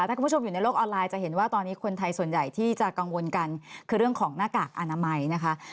ถ้าคุณผู้ชมอยู่ในโลกออนไลน์จะเห็นว่าตอนนี้คนไทยส่วนใหญ่ที่จะกังวลกันคือเรื่องของหน้ากากอนามัยนะคะ